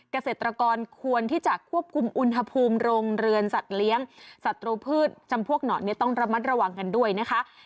เกษตรกรควรที่จะควบคุมอุณหภูมิโรงเรือนสัตว์เลี้ยงศัตรูพืชจำพวกหนอนเนี่ยต้องระมัดระวังกันด้วยนะคะ